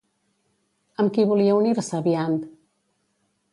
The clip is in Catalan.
Amb qui volia unir-se Biant?